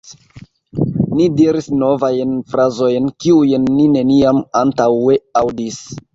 Ni diris novajn frazojn, kiujn ni neniam antaŭe aŭdis.